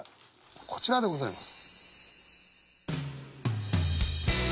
こちらでございます。